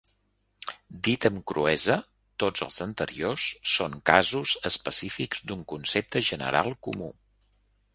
Dit amb cruesa, tots els anteriors són casos específics d'un concepte general comú.